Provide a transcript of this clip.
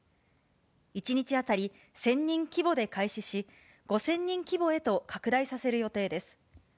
１日当たり１０００人規模で開始し、５０００人規模へと拡大させる予定です。